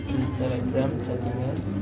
di telegram jadinya